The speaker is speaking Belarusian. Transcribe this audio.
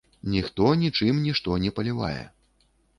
Ніхто нічым нішто не палівае.